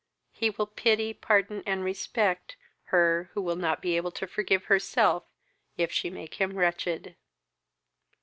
He will pity, pardon, and respect, her, who will not be able to forgive herself if she make him wretched."